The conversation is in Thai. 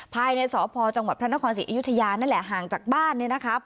ภายในสพจังหวัดพระนครศรีอยุธยานั่นแหละห่างจากบ้านเนี่ยนะครับ